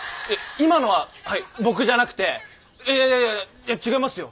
今のははい僕じゃなくていやいやいやいやいや違いますよ。